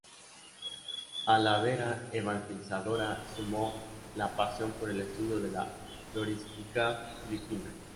A la vera evangelizadora, sumó la pasión por el estudio de la florística filipina.